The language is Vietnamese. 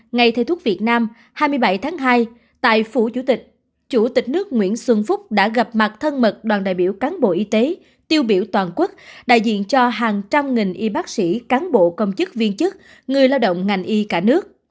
ngày thầy thuốc việt nam hai mươi bảy tháng hai tại phủ chủ tịch chủ tịch nước nguyễn xuân phúc đã gặp mặt thân mật đoàn đại biểu cán bộ y tế tiêu biểu toàn quốc đại diện cho hàng trăm nghìn y bác sĩ cán bộ công chức viên chức người lao động ngành y cả nước